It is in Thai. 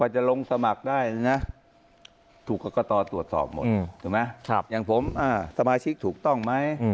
จะลงสมัครได้นะถูกกรกตตรวจสอบหมดถูกไหมอย่างผมสมาชิกถูกต้องไหม